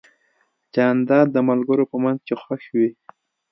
جانداد د ملګرو په منځ کې خوښ وي.